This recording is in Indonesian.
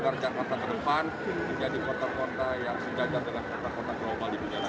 kota jakarta menjadi rumah bagi setiap orang